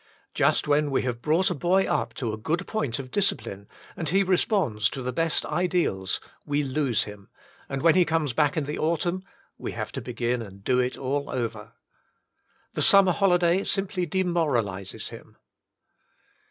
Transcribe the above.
Just when we have brought a boy up to a good point of discipline, and he responds to the best ideals, we lose him, andVhen he comes back in the autumn, we have to begin and do it all over. The summer holiday simply demoralises him."